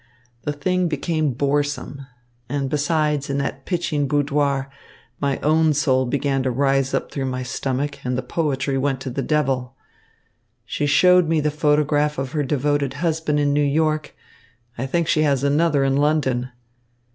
The thing became boresome. And besides, in that pitching boudoir, my own soul began to rise up through my stomach, and the poetry went to the devil. She showed me the photograph of her devoted husband in New York. I think she has another in London."